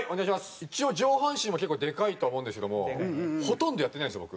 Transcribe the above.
一応上半身は結構でかいとは思うんですけどもほとんどやってないんですよ